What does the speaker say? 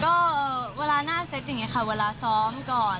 ก็เวลาหน้าเซตอย่างนี้ค่ะเวลาซ้อมก่อน